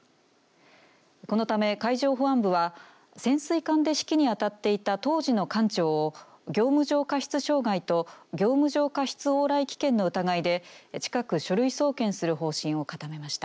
このため海上保安部は、潜水艦で指揮にあたっていた当時の艦長を業務上過失傷害と業務上過失往来危険の疑いで近く書類送検する方針を固めました。